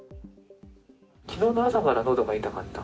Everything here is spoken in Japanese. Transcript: きのうの朝からのどが痛かった？